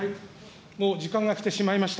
もう時間が来てしまいました。